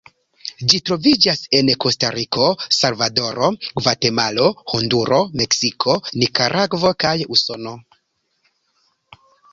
Ĝi troviĝas en Kostariko, Salvadoro, Gvatemalo, Honduro, Meksiko, Nikaragvo kaj Usono.